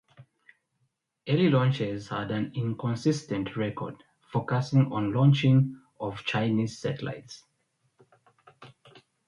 Early launches had an inconsistent record, focusing on launching of Chinese satellites.